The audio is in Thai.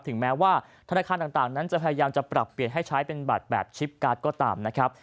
ถึงแม้ว่าธนาคารต่างนั้นจะพยายามจะปรับเปลี่ยนให้ใช้เป็นบัตรแบบชิปการ์ดก็ตามนะครับ